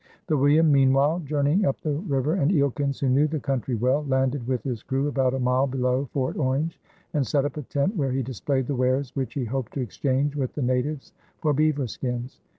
The William, meanwhile, journeyed up the river and Eelkens, who knew the country well, landed with his crew about a mile below Fort Orange and set up a tent where he displayed the wares which he hoped to exchange with the natives for beaver skins.